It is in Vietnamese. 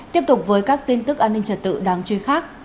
tiếp tục với các tin tức an ninh trật tự đáng chơi khác